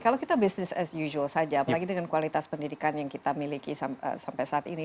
kalau kita business as usual saja apalagi dengan kualitas pendidikan yang kita miliki sampai saat ini